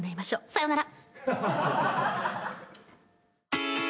さよなら。